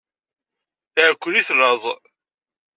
Iɛkef-it laẓ.